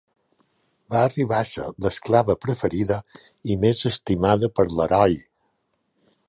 Va arribar a ser l'esclava preferida i més estimada per l'heroi.